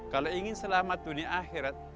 kalau ingin selamat dunia akhirat